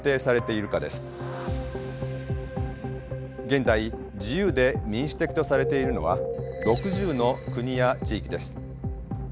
現在自由で民主的とされているのは６０の国や地域です。